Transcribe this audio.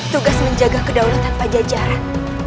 tugas menjaga kedaulatan pajajaran